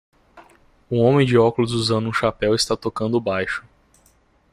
Um homem de óculos usando um chapéu está tocando o baixo.